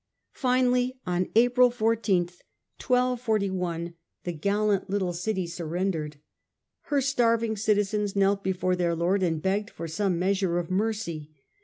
Finally on April I4th, 1241, the gallant little city surrendered. Her starving citizens knelt before their Lord and begged for some measure of mercy.